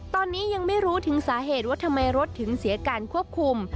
ตอนนี้ยังไม่รู้ถึงสาเหตุว่าทำไมรถถึงเสียการควบคุม